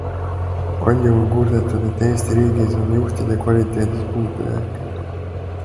Palju on kurdetud, et Eesti riigis on juhtide kvaliteedis puudujääke.